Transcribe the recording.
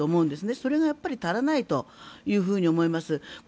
それが足らないというふうに思います。